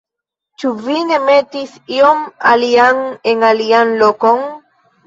Ĉu vi ne metis ion alian en alian lokon?